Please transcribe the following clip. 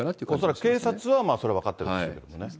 恐らく警察は、それは分かってるでしょうね。